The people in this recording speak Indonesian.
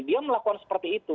dia melakukan seperti itu